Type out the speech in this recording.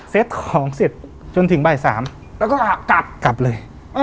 เซ็ตของเสร็จจนถึงบ่าย๓แล้วก็กลับเลย